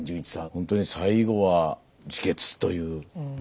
本当に最後は自決という。ですねえ。